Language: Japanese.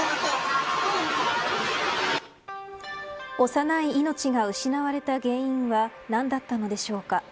幼い命が失われた原因は何だったのでしょうか。